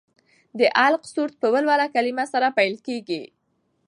د علق سورت په ولوله کلمې سره پیل کېږي.